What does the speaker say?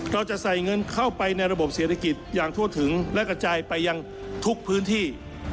เราจะใส่เงินเข้าไปในระบบเศรษฐกิจอย่างทั่วถึงและกระจายไปยังทุกพื้นที่